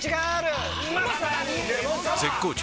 絶好調！！